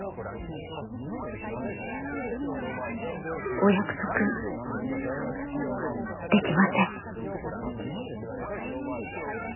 お約束できません。